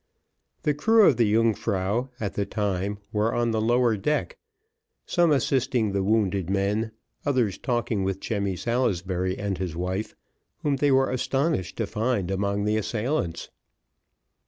The crew of the Yungfrau, at the time, were on the lower deck, some assisting the wounded men, others talking with Jemmy Salisbury and his wife, whom they were astonished to find among the assailants.